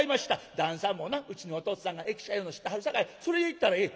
旦さんもなうちのおとっつぁんが易者いうの知ってはるさかいそれでいったらええ」。